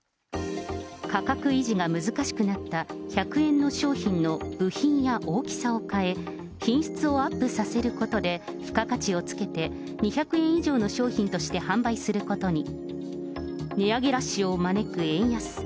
価格維持が難しくなった１００円の商品の部品や大きさを変え、品質をアップさせることで、付加価値をつけて、２００円以上の商品として販売することに。